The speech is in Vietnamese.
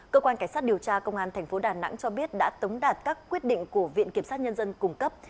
cơ quan cảnh sát điều tra công an tp đà nẵng cho biết đã tống đạt các quyết định của viện kiểm sát nhân dân cung cấp